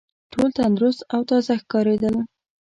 ټول تندرست او تازه ښکارېدل.